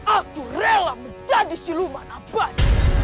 aku rela menjadi si luman abad